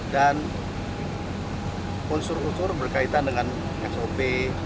dan unsur unsur berkaitan dengan sop